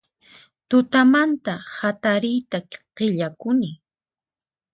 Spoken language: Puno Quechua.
Tutamanta hatariyta qillakuni